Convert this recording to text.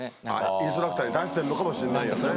インストラクターに出してるのかもしれないよね。